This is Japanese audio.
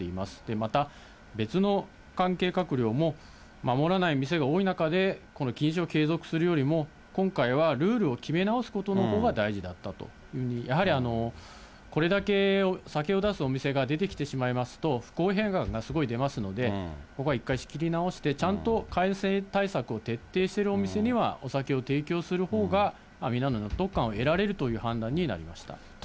また別の関係閣僚も、守らない店が多い中で、この禁止を継続するよりも、今回はルールを決め直すことのほうが大事だったというふうに、やはりこれだけ酒を出すお店が出てきてしまいますと、不公平感がすごい出ますので、ここは一回仕切り直して、ちゃんと感染対策を徹底しているお店にはお酒を提供するほうが、皆の納得感を得られるという判断になりました。